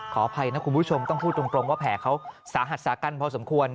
ขออภัยนะคุณผู้ชมต้องพูดตรงว่าแผลเขาสาหัสสากันพอสมควร